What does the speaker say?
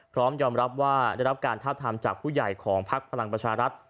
พร้อมยอมรับว่าได้รับการทาบทามจากผู้ใหญ่ของพักพลังประชารัฐ